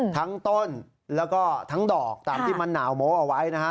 ทั้งต้นแล้วก็ทั้งดอกตามที่มะนาวโม้เอาไว้นะฮะ